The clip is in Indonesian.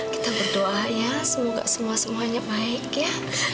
kita berdoa ya semoga semua semuanya baik ya